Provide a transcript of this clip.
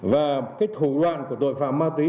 và cái thủ đoạn của tội phạm ma túy